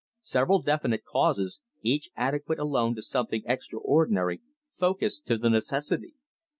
Several definite causes, each adequate alone to something extraordinary, focussed to the necessity.